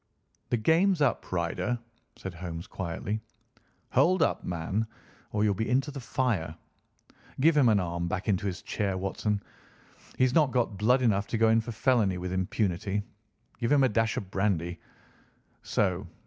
"The game's up, Ryder," said Holmes quietly. "Hold up, man, or you'll be into the fire! Give him an arm back into his chair, Watson. He's not got blood enough to go in for felony with impunity. Give him a dash of brandy. So!